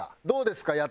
どうですか？